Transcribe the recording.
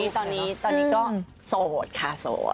ตอนนี้ก็โสดค่ะโสด